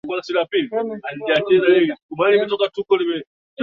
Tembea mbele uniongoze kwa kuwa sijui njia